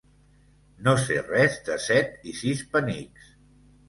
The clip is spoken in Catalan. No sé res de set i sis penics.